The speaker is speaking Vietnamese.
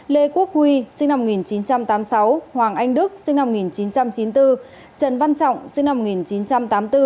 lê quốc huy sinh năm một nghìn chín trăm tám mươi sáu hoàng anh đức sinh năm một nghìn chín trăm chín mươi bốn trần văn trọng sinh năm một nghìn chín trăm tám mươi bốn